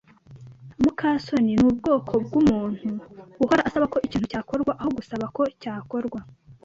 muka soni nubwoko bwumuntu uhora asaba ko ikintu cyakorwa aho gusaba ko cyakorwa.